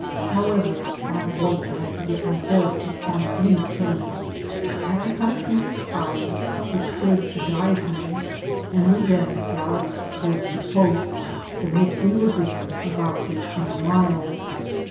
However, I was glad to get my horse upon any terms, and I cut a piece of hide. Digitized byGoogk TUB PAMPAS. S47 which served to guide him, and we then galloped towards the post, from which we were distant about thirteen miles.